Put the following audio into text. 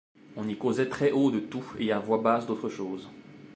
On y causait très haut de tout, et à voix basse d’autre chose.